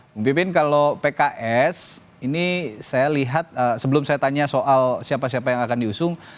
bung pimpin kalau pks ini saya lihat sebelum saya tanya soal siapa siapa yang akan diusung